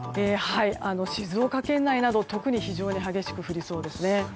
静岡県内など特に非常に激しく降りそうですね。